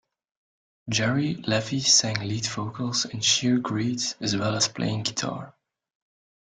Gerry Laffy sang lead vocals in Sheer Greed, as well as playing guitar.